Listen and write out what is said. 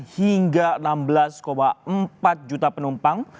hingga enam belas empat juta penumpang